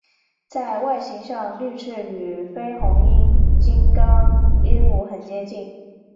在外形上绿翅与绯红金刚鹦鹉很接近。